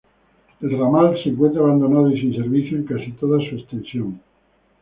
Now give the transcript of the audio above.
El ramal se encuentra abandonado y sin servicio en casi toda su extensión.